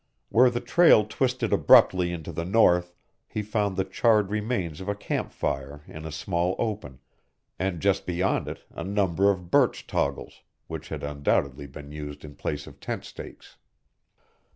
Where the trail twisted abruptly into the north he found the charred remains of a camp fire in a small open, and just beyond it a number of birch toggles, which had undoubtedly been used in place of tent stakes.